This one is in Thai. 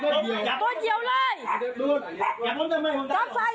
เร็มของมีเร็มของมี